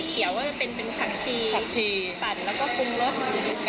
กลุ่มรสจะไม่เหมือนเรื่องอื่นที่จะเป็นไศตะไค